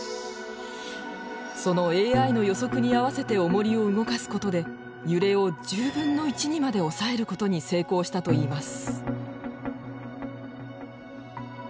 そのＡＩの予測に合わせておもりを動かすことで揺れを１０分の１にまで抑えることに成功したといいます。